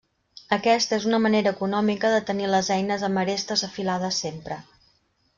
Aquesta és una manera econòmica de tenir les eines amb arestes afilades sempre.